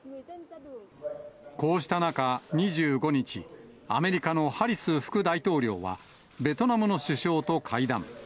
こうした中、２５日、アメリカのハリス副大統領は、ベトナムの首相と会談。